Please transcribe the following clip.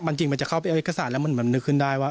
จริงมันจะเข้าไปเอาเอกสารแล้วมันนึกขึ้นได้ว่า